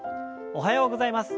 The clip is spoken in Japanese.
おはようございます。